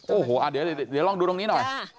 โอ้โหเดี๋ยวลองดูตรงนี้หน่อย